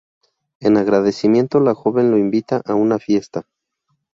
En agradecimiento, la joven lo invita a una fiesta.